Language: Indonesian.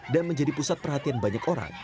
dan menjadi pusat perhatian banyak orang